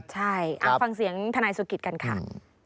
ใช่ฟังเสียงทนายสุกิตกันค่ะ